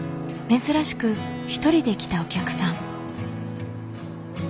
珍しく一人で来たお客さん。